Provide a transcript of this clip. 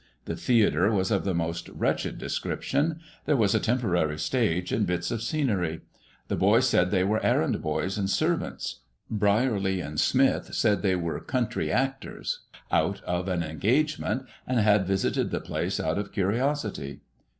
The theatre was of the most wretched descrip tion ; there was a temporary stage, and bits of scenery. The boys said they were errand boys and servants. Brierly and Smith said they were country actors out of an engagement, and had visited the place out of curiosity.